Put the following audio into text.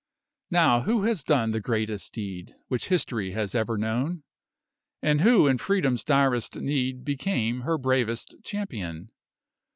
Now who has done the greatest deed Which History has ever known? And who in Freedom's direst need Became her bravest champion?